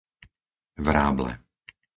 Vráble